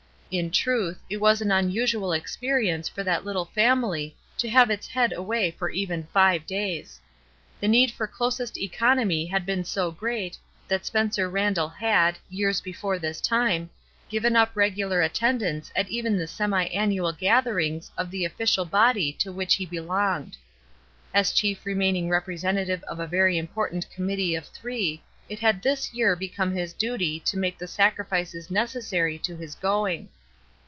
In truth, it was an unusual experience for that Uttle family to have its head away for even five days. The need for closest economy had been so great that Spencer Randall had, years before this time, given up regular attendance at even the semiannual gatherings of the official body to which he be j SURPRISES 329 longed. As chief remaining representative of a very important committee of three, it had this year become his duty to make the sacrifices necessary to his going.